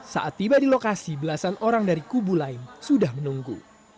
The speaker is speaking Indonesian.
saat tiba di lokasi belasan orang dari kubu lain sudah menunggu